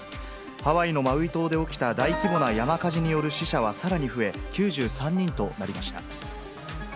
ハワイのマウイ島で起きた大規模な山火事による死者はさらに増え、９３人となりました。